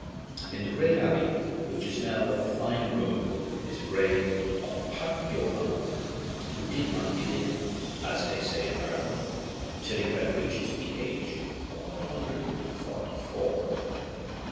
In the great abbey, which is now a fine ruin, is the grave of Patrick Beolan, who did not "give in," as they say in Ireland, till he had reached the age of one hun dred and forty four.